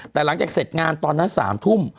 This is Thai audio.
แต่หลังจากเสร็จงานตอนนั้น๓ทุ่ม